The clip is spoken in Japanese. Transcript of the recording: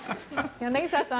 柳澤さん